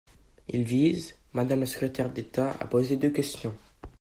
Il vise, madame la secrétaire d’État, à poser deux questions.